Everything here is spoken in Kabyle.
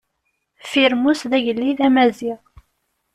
Firmus d agellid amaziɣ.